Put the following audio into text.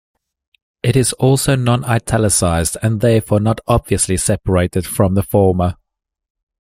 It is also non-italicized and therefore not obviously separated from the former.